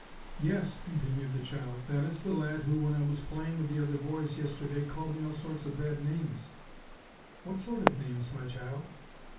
"Yes," continued the child, "that is the lad who, when I was playing with the other boys yesterday, called me all sorts of bad names." "What sort of names, my child?"